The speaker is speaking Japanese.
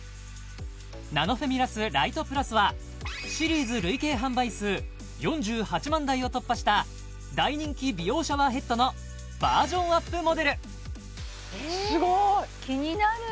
ナノフェミラスライトプラスはシリーズ累計販売数４８万台を突破した大人気美容シャワーヘッドのバージョンアップモデルすごい気になる！